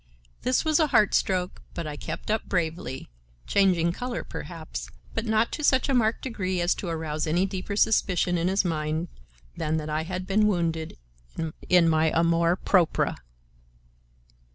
This was a heart stroke, but I kept up bravely, changing color perhaps, but not to such a marked degree as to arouse any deeper suspicion in his mind than that I had been wounded in my amour propre.